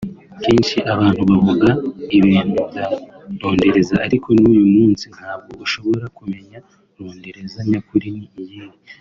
Kenshi abantu bavuga ibintu bya rondereza ariko n’uyu munsi ntabwo ushobora kumenya rondereza nyakuri ni iyihe